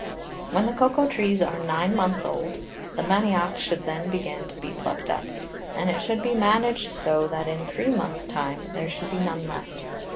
When the Cocao Trees are nine Months old, the Manioc should then begin to be pluck'd up; and it should be managed so, that in three Months time there should be none left.